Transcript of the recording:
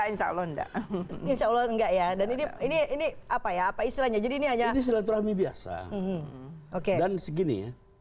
ya insya allah nggak ya dan ini ini apa ya apa istilahnya jadi ini aja biasa oke dan segini